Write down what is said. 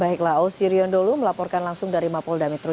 baiklah osirion dulu melaporkan langsung dari mapolda metro